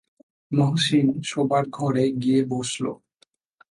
মহসিন শোবার ঘরে গিয়ে বসল।